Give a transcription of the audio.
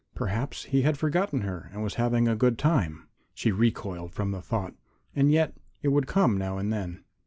Perhaps he had forgotten her and was having a good time she recoiled from the thought, and yet it would come now and then.